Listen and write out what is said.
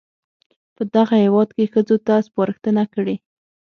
په دغه هېواد کې ښځو ته سپارښتنه کړې